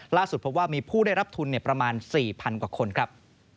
ล่าสุดพบว่ามีผู้ได้รับทุนประมาณ๔๐๐กว่าคนครับ